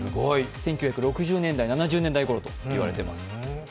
１９６０年代、７０年代ごろと言われています。